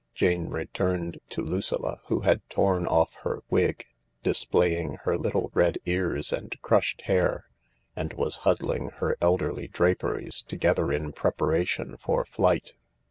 Jane returned to Lucilla, who had torn off her wig, dis playing her little red ears and crushed hair, and was huddling her elderly draperies together in preparation for flight.